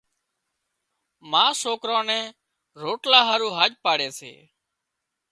ما سوڪران نين روٽلا هارُو هاڄ پاڙي سي۔